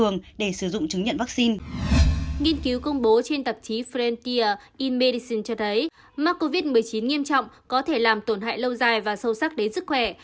nghiên cứu công bố trên tạp chí frankia inedericin cho thấy mắc covid một mươi chín nghiêm trọng có thể làm tổn hại lâu dài và sâu sắc đến sức khỏe